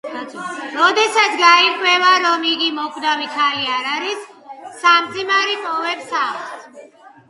როდესაც გაირკვევა, რომ იგი მოკვდავი ქალი არ არის, სამძიმარი ტოვებს სახლს.